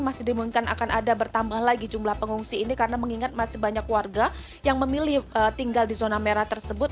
masih dimungkinkan akan ada bertambah lagi jumlah pengungsi ini karena mengingat masih banyak warga yang memilih tinggal di zona merah tersebut